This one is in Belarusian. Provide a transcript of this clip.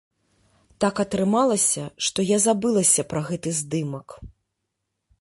Так атрымалася, што я забылася пра гэты здымак.